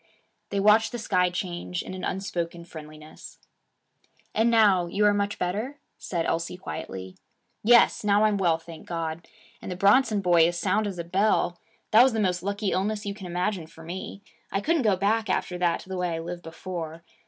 They watched the sky change, in an unspoken friendliness. 'And now, you are much better?' said Elsie quietly. 'Yes. Now I'm well, thank God! And the Bronson boy as sound as a bell. That was the most lucky illness you can imagine for me. I couldn't go back after that to the way I lived before.